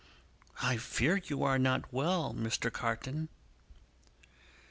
"I fear you are not well, Mr. Carton!"